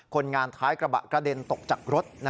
คนงานท้ายกระบะกระเด็นตกจากรถ